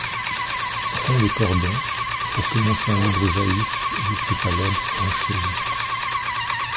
Romps le cordon, pour que mon sein libre jaillisse jusque ta lèvre penchée.